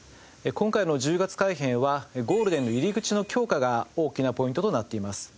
今回の１０月改編はゴールデンの入り口の強化が大きなポイントとなっています。